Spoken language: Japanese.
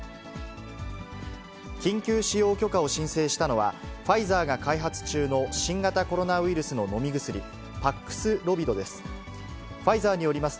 緊急使用許可を申請したのは、ファイザーが開発中の新型コロナウイルスの飲み薬、パクスロビドです。